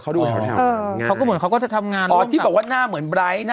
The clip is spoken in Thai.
เขาดูแถวแถวเออเขาก็เหมือนเขาก็จะทำงานอ๋อที่บอกว่าหน้าเหมือน